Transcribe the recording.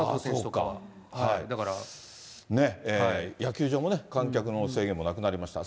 野球場もね、観客の制限もなくなりました。